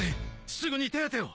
すぐに手当てを。